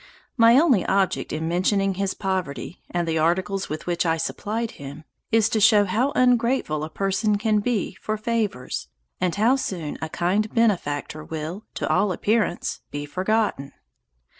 My only object in mentioning his poverty, and the articles with which I supplied him, is to show how ungrateful a person can be for favors, and how soon a kind benefactor will, to all appearance, be forgotten.